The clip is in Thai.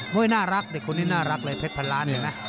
น่ารักเด็กคนนี้น่ารักเลยเพชรพันล้านเลยนะ